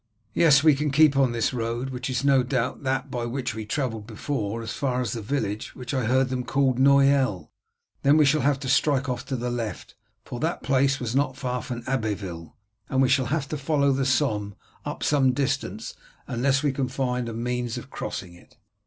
"Yes, we can keep this road, which is no doubt that by which we travelled before, as far as the village which I heard them call Noyelle, then we shall have to strike off to the left, for that place was not far from Abbeville, and shall have to follow the Somme up some distance, unless we can find means of crossing it."